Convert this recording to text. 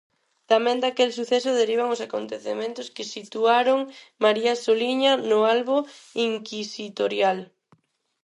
Tamén daquel suceso derivan os acontecementos que situaron María Soliña no albo inquisitorial.